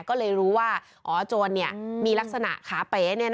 ก็เลยรู้ว่าอ๋อโจรมีลักษณะขาเป๋